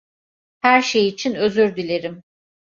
Her şey için özür dilerim.